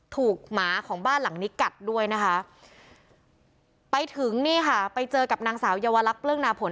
หมาของบ้านหลังนี้กัดด้วยนะคะไปถึงนี่ค่ะไปเจอกับนางสาวเยาวลักษณ์เปลื้องนาผล